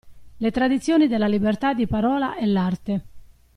Le tradizioni della libertà di parola e l‘arte.